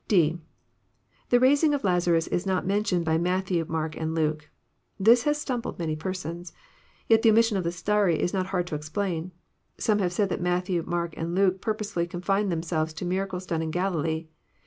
(d) The raising of Lazaras is not mentioned by Matthew, Mark, and Luke. This has stumbled many persons. Yet the omission of the story is not hard to explain. Some have said that Matthew, Mark, and Ltke purposely confine themselves to miracles done in Oalilee.